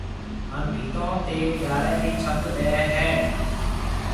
ھان پٿيو تيَ گارَي رِي ڇنڀ ڏَي ھيََََ